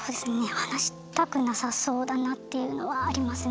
話したくなさそうだなっていうのはありますね。